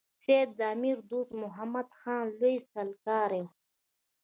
سید د امیر دوست محمد خان لوی سلاکار وو.